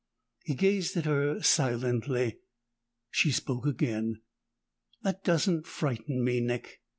He gazed at her silently. She spoke again. "That doesn't frighten me, Nick.